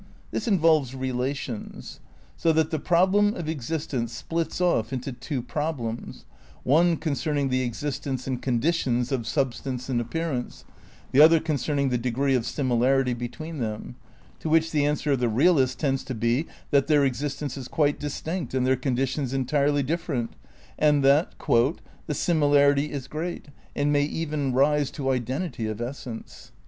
This involves, relations; so that the problem of existence splits off into two problems : one concerning the '' exis tence" and "conditions" of substance and appearance; the other concerning the degree of "similarity" be tween them ; to which the answer of the realist tends to be that "their existence is quite distinct and their con ditions entirely different," and that "the similarity is great and may even rise to identity of es sence."